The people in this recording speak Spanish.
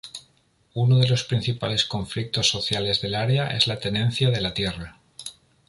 Uno de los principales conflictos sociales del área es la tenencia de la tierra.